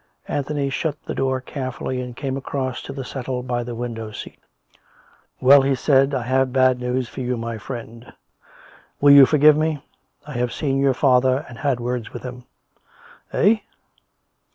Anthony shut the door carefully and came across to the settle by the window seat. " Well," he said, " I have bad news for you, my friend. Will you forgive me? I have seen your father and had words with him." "Eh?"